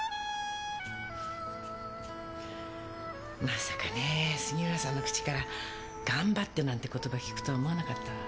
まさかねぇ杉浦さんの口から「頑張って」なんて言葉聞くとは思わなかったわ。